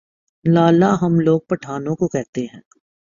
لالہ ہم لوگ پٹھانوں کو کہتے ہیں ۔